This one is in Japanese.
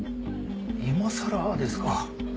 今さらですか？